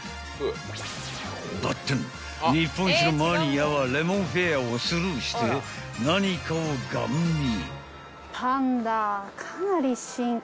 ［ばってん日本一のマニアはレモンフェアをスルーして何かをガン見］